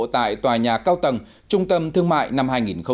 tại tòa nhà cao tầng trung tâm thương mại năm hai nghìn một mươi chín